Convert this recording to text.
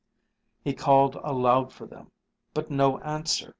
He called aloud for them. But no answer.